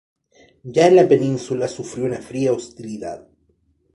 Ya en la península, sufrió una fría hostilidad.